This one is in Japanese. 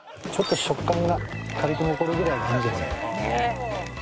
食感が軽く残るぐらいがいいんじゃ。